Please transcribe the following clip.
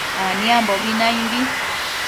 aniambobi naimbi